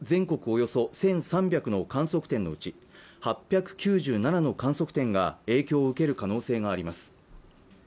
およそ１３００の観測点のうち８９７の観測点が影響を受ける可能性があります